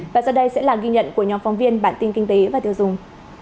và sau đây sẽ là ghi nhận của nhóm phóng viên bản tin kinh tế và tiêu dùng